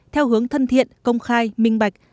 theo hướng thân thiện công khai minh bạch